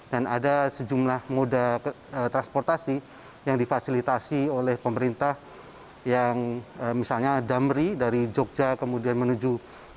dan ada sejumlah moda transportasi yang difasilitasi oleh pemerintah yang misalnya damri dari jogja kemudian menuju